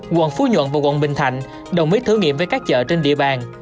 quận phú nhuận và quận bình thạnh đồng ý thử nghiệm với các chợ trên địa bàn